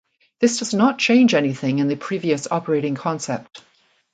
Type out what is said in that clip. This does not change anything in the previous operating concept.